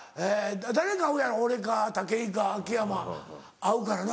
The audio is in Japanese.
誰か会うやろ俺か武井か秋山会うからな。